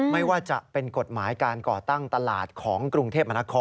ไม่ว่าจะเป็นกฎหมายการก่อตั้งตลาดของกรุงเทพมนาคม